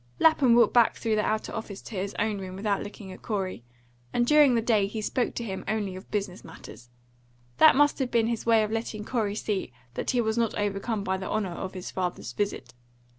Lapham walked back through the outer office to his own room without looking at Corey, and during the day he spoke to him only of business matters. That must have been his way of letting Corey see that he was not overcome by the honour of his father's visit.